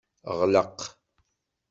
Ɣleq!